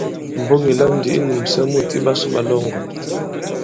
Mboŋ ì lam ndī i nūmsɛ mût iɓasū ɓa Lɔ̌ŋgòn.